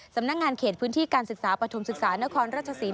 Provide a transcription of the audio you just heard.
สำนักงานเขตพื้นที่การศึกษาปฐมศึกษานครราชศรี